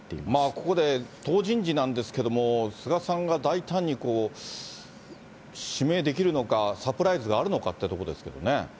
ここで党人事なんですけれども、菅さんが大胆に指名できるのか、サプライズがあるのかっていうところですけどね。